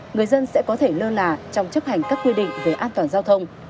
người dân sẽ có thể lơ là trong chấp hành các quy định về an toàn giao thông